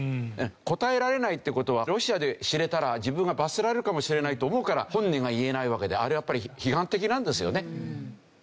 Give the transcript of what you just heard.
答えられないって事はロシアで知れたら自分が罰せられるかもしれないと思うから本音が言えないわけであれはやっぱり批判的なんですよね。